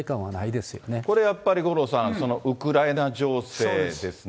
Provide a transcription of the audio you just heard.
これやっぱり、五郎さん、ウクライナ情勢ですね。